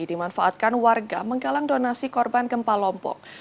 dimanfaatkan warga menggalang donasi korban gempa lompok